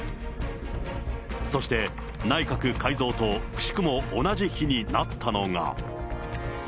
そして、内閣改造とくしくも同じ日になったのが。